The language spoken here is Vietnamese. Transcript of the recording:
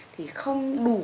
thì không được